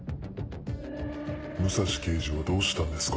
武蔵刑事はどうしたんですか？